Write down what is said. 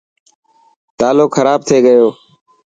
تالو خراب ٿي گيو.